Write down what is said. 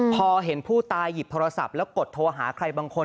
พอเห็นผู้ตายหยิบโทรศัพท์แล้วกดโทรหาใครบางคน